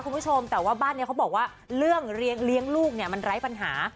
คุณผู้ชมแต่ว่าบ้านเขาบอกว่าเรื่องเลี้ยงลูกร้ายปัญหา